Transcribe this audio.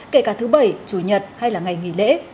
kể cả thứ bảy chủ nhật hay là ngày nghỉ lễ